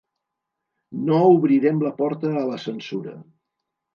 No obrirem la porta a la censura.